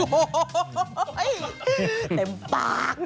โอ้โหเต็มปาก